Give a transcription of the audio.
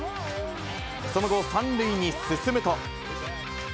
その後、３塁に進むと。